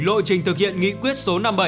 lộ trình thực hiện nghị quyết số năm mươi bảy